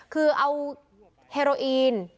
คือเอาเฮโรอีน